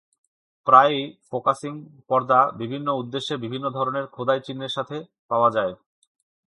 প্রায়ই, ফোকাসিং পর্দা বিভিন্ন উদ্দেশ্যে বিভিন্ন ধরনের খোদাই চিহ্নের সাথে পাওয়া যায়।